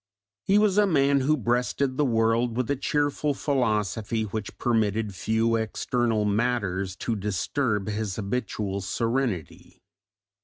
He was a man who breasted the world with a cheerful philosophy which permitted few external matters to disturb his habitual serenity.